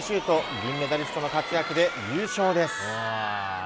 銀メダリストの活躍で優勝です。